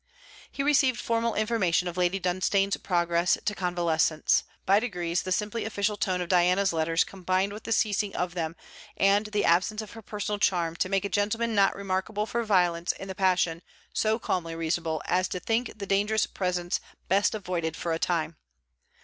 He received formal information of Lady Dunstane's progress to convalescence. By degrees the simply official tone of Diana's letters combined with the ceasing of them and the absence of her personal charm to make a gentleman not remarkable for violence in the passion so calmly reasonable as to think the dangerous presence best avoided for a time.